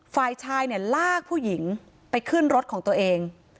ฝ่ายชายเนี่ยลากผู้หญิงไปขึ้นรถของตัวเอง